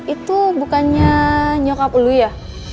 itu bukannya nyokap dulu ya